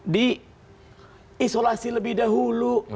di isolasi lebih dahulu